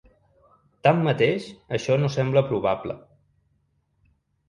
Tanmateix, això no sembla probable.